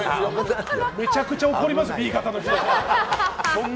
めちゃくちゃ怒りますよＢ型の人。